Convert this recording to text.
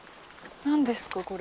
何ですかこれ。